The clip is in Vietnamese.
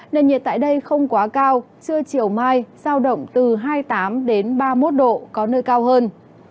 nền nhiệt tại đây không quá cao trưa chiều mai sao động từ hai mươi tám đến ba mươi một độ có nơi cao hơn